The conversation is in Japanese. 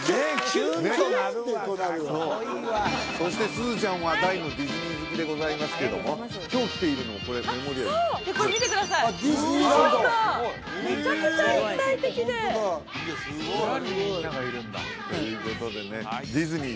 キュンとなるわかっこいいわそしてすずちゃんは大のディズニー好きでございますけども今日着ているのもこれメモリアルこれ見てくださいあっディズニーランド後ろがめちゃくちゃ立体的で・裏にみんながいるんだということでねディズニー